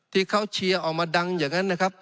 ที่เขาเชียร์ออกมาดังอย่างนั้นนะครับ